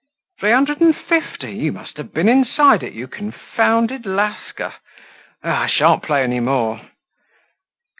"Three hundred and fifty! You must have been inside it, you confounded lascar! Ah! I shan't play any more!"